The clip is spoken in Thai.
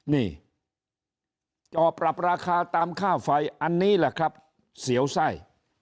นี่จอปรับราคาตามค่าไฟอันนี้แหละครับเสียวไส้